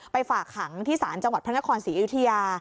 ไปฝากหังที่สารจังหวัดพระนครศรีอิทยา